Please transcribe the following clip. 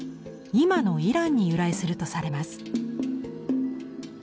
今のイランに由来するとされます。